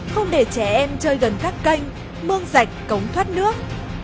không để trẻ em chơi gần các kênh mương rạch cống thoát nước